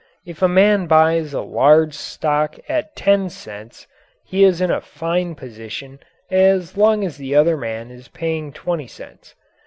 If a man buys a large stock at ten cents, he is in a fine position as long as the other man is paying twenty cents.